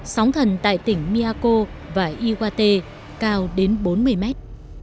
sóng thần tại tỉnh miyako và iwater cao đến bốn mươi mét